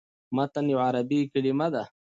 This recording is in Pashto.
متن یوه عربي کلمه ده.